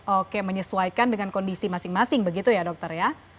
oke menyesuaikan dengan kondisi masing masing begitu ya dokter ya